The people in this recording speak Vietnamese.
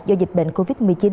do dịch bệnh covid một mươi chín